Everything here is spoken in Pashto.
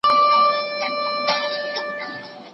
د ملکیت حق باید د ټولني په ګټه وي.